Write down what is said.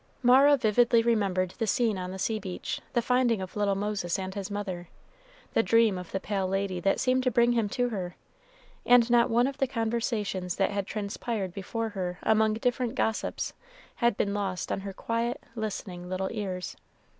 Mara vividly remembered the scene on the sea beach, the finding of little Moses and his mother, the dream of the pale lady that seemed to bring him to her; and not one of the conversations that had transpired before her among different gossips had been lost on her quiet, listening little ears.